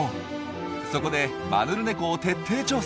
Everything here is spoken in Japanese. そこでマヌルネコを徹底調査。